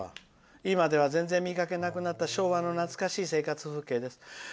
「今では全然見かけなくなった昭和の懐かしい生活風景です」。